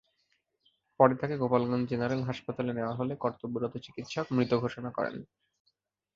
পরে তাঁকে গোপালগঞ্জ জেনারেল হাসপাতালে নেওয়া হলে কর্তব্যরত চিকিৎসক মৃত ঘোষণা করেন।